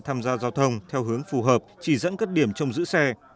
tham gia giao thông theo hướng phù hợp chỉ dẫn các điểm trong giữ xe